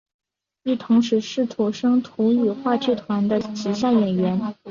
亦同时是土生土语话剧团的旗下演员。